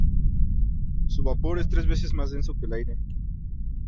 Su vapor es tres veces más denso que el aire.